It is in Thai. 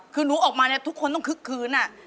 คือหนูออกมาเนี่ยทุกคนต้องคึกคืน